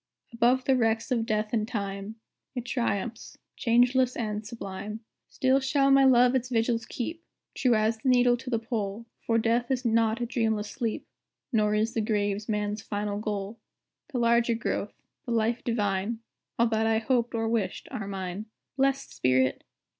Above the wrecks of Death and Time, It triumphs, changeless and sublime. "Still shall my love its vigils keep, True as the needle to the pole, For Death is not a dreamless sleep, Nor is the Grave man's final goal. The larger growth, the life divine, All that I hoped or wished, are mine." Blest spirit!